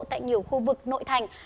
tại nhiều khu vực nội thành